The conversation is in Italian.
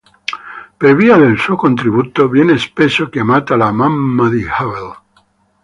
Per via del suo contributo, viene spesso chiamata la "mamma di Hubble".